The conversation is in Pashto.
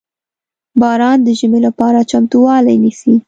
• باران د ژمي لپاره چمتووالی نیسي.